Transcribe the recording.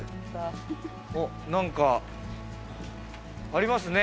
おっ、何かありますね。